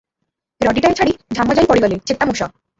ରଡ଼ିଟାଏ ଛାଡ଼ି ଝାମ ଯାଇ ପଡ଼ି ଗଲେ, ଚେତା ମୋଷ ।